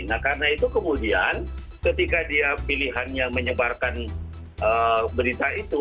nah karena itu kemudian ketika dia pilihannya menyebarkan berita itu